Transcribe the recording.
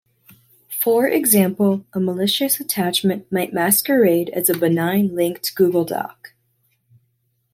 For example, a malicious attachment might masquerade as a benign linked Google doc.